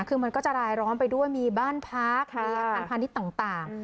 คือมันก็จะรายร้อนไปด้วยมีบ้านพักมีอาคารพาณิชย์ต่าง